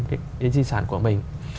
cái di sản của mình